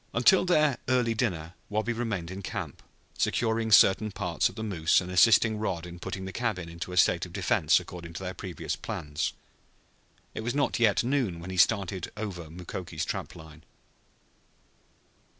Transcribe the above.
Until their early dinner Wabi remained in camp, securing certain parts of the moose and assisting Rod in putting the cabin into a state of defense according to their previous plans. It was not yet noon when he started over Mukoki's trap line.